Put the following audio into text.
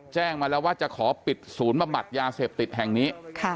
แจ้งมาแล้วว่าจะขอปิดศูนย์บำบัดยาเสพติดแห่งนี้